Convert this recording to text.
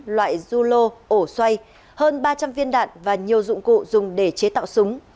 loại zulo ổ xoay hơn ba trăm linh viên đạn và nhiều dụng cụ dùng để chế tạo súng